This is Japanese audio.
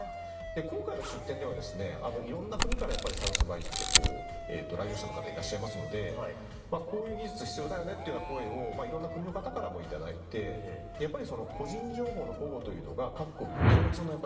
今回の出展ではいろんな国からやっぱり「サウス・バイ」って来場者の方いらっしゃいますので「こういう技術必要だよね」っていうような声をいろんな国の方からもいただいてやっぱり。